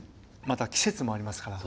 また季節もありますから。